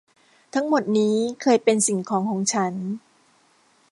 ทั้งหมดนี้เคยเป็นสิ่งของของฉัน